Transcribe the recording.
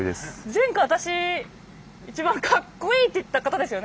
前回私一番かっこいいって言った方ですよね？